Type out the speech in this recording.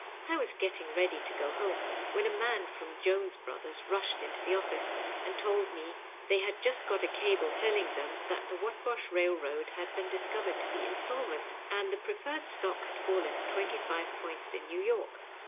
I was getting ready to go home, when a man from Jones Brothers mshed into the office, and told me they had jnst got a cable telling them that the Whatbosh Bailroad had been discovered to be insolv^ ent, and the preferred stock had fallen twenty five points in New York.